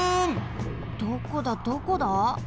どこだどこだ？